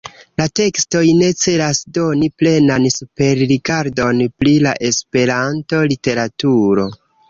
La tekstoj ne celas doni plenan superrigardon pri la Esperanta literaturo.